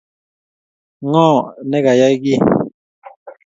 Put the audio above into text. Ng'oo ne kayai kii?